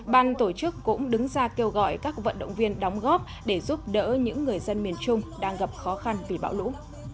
ban tổ chức cũng đứng ra kêu gọi các vận động viên đóng góp để giúp đỡ những người dân miền trung đang gặp khó khăn vì bão lũ